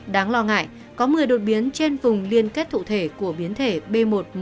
đáng lo ngại có một mươi đột biến trên vùng liên kết thụ thể của biến thể b một một năm trăm hai mươi chín